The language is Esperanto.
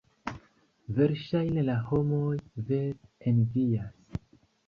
Verŝajne la homoj vere envias.